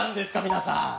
皆さん。